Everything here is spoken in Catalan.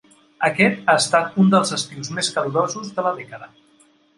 Aquest ha estat un dels estius més calorosos de la dècada.